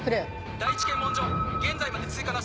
第１検問所現在まで通過なし。